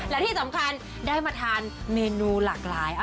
และที่สำคัญได้มาทานเมนูหลากหลาย